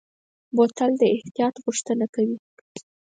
بوتل د احتیاط غوښتنه کوي.